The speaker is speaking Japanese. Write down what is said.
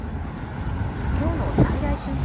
きょうの最大瞬間